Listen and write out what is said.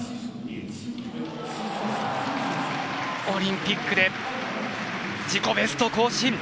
オリンピックで自己ベスト更新！